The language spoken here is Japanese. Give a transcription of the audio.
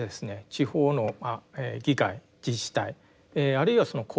地方の議会自治体あるいは国政にですね